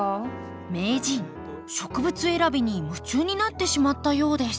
名人植物選びに夢中になってしまったようです。